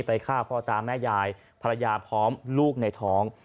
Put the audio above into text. ฆ่าพ่อตาแม่ยายภรรยาพร้อมลูกในท้อง